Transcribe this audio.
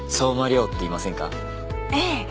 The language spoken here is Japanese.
ええ。